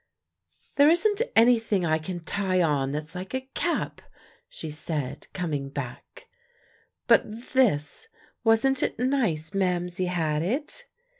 "There isn't anything I can tie on that's like a cap," she said, coming back, "but this; wasn't it nice Mamsie had it?"